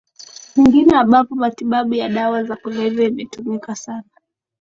nyingine ambapo matibabu ya dawa za kulevya imetumika sana